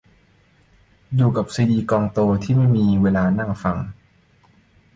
อยู่กับซีดีกองโตที่ไม่มีเวลานั่งฟัง